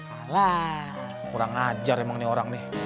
alah kurang ajar emang nih orang nih